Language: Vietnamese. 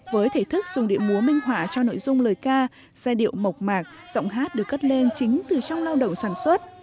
với thể thức dùng điệu múa minh họa cho nội dung lời ca giai điệu mộc mạc giọng hát được cất lên chính từ trong lao động sản xuất